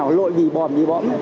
nó lội bì bòm bì bõm